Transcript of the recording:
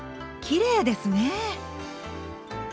きれいですね。